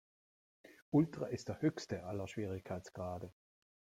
Ultra ist der höchste aller Schwierigkeitsgrade.